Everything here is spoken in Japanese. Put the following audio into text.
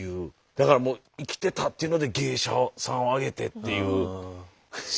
だから生きてたっていうので芸者さんをあげてっていうすごい世界。